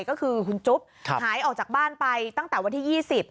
ก็คือคุณจุ๊บหายออกจากบ้านไปตั้งแต่วันที่ยี่สิบ